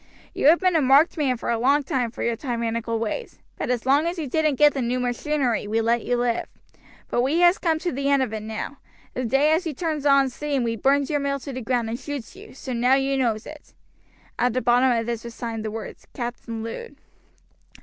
You have been a marked man for a long time for your tyrannical ways, but as long as you didn't get the new machinery we let you live; but we has come to the end of it now; the day as you turns on steam we burns your mill to the ground and shoots you, so now you knows it." At the bottom of this was signed the words "Captain Lud."